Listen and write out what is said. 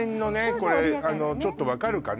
これちょっと分かるかな？